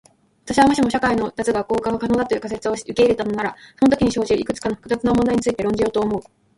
私は、もしも社会の脱学校化が可能だという仮説を受け入れたならそのときに生じるいくつかの複雑な問題について論じようと思う。